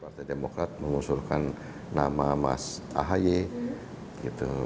partai demokrat mengusulkan nama mas ahaye gitu